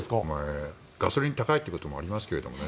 ガソリンが高いということもありますけどね